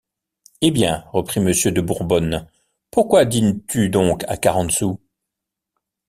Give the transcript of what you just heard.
Hé bien, reprit monsieur de Bourbonne, pourquoi dînes-tu donc à quarante sous?